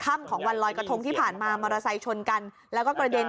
ข้ำของวันรอยกระทงที่ผ่านมามอเธอชนกันแล้วก็กระเด็น